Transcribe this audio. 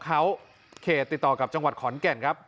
เขาเขตติดต่อกับจังหวัดขอนแก่นครับ